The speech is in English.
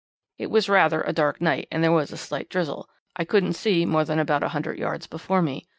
"'It was rather a dark night and there was a slight drizzle. I couldn't see more than about a hundred yards before me.